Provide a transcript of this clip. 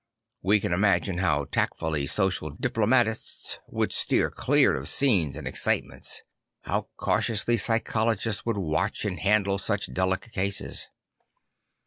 We can imagine how tactfully social diplomatists would steer clear of scenes and excitements, how cautiously psycho 'Ihe 'Ihree Orders 121 logists would watch and handle such delicate cases.